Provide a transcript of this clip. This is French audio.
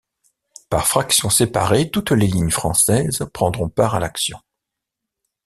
Par fraction séparée, toutes les lignes françaises prendront part à l'action.